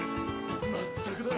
まったくだ。